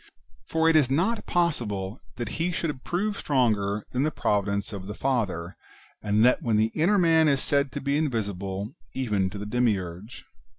For it is not possible that he should prove stronger than the providence of the Father, and that when the inner man is said to be invisible even to the Demiurge.